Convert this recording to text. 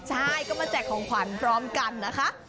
ใช่ก็มาแจกของขวัญพร้อมกันนะคะ